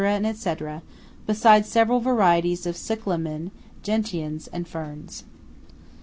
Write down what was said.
&c. besides several varieties of cyclamen, gentians, and ferns.